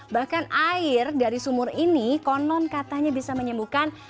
bahkan air dari sumur ini konon katanya bisa menyembuhkan